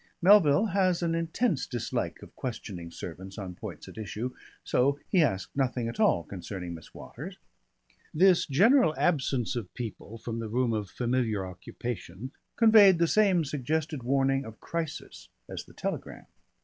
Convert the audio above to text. Melville has an intense dislike of questioning servants on points at issue, so he asked nothing at all concerning Miss Waters. This general absence of people from the room of familiar occupation conveyed the same suggested warning of crisis as the telegram.